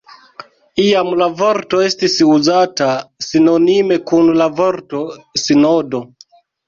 Iam la vorto estis uzata sinonime kun la vorto sinodo.